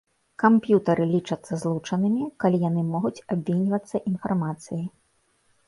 Камп'ютары лічацца злучанымі, калі яны могуць абменьвацца інфармацыяй.